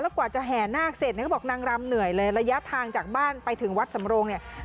กว่าจะแห่นาคเสร็จเนี่ยก็บอกนางรำเหนื่อยเลยระยะทางจากบ้านไปถึงวัดสำโรงเนี่ย